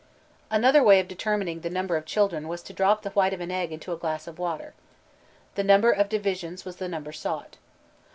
Another way of determining the number of children was to drop the white of an egg into a glass of water. The number of divisions was the number sought.